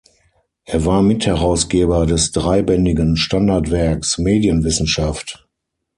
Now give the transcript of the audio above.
Er war Mitherausgeber des dreibändigen Standardwerks "Medienwissenschaft.